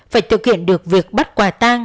phải thực hiện được việc bắt quả tang